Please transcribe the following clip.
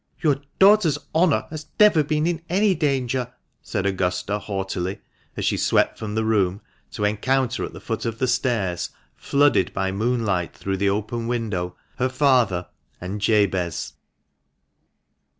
"Your daughter's honour has never been in any danger," said Augusta, haughtily, as she swept from the room, to encounter at the foot of the stairs, flooded by moonlight through the open window, her father — and Jabez.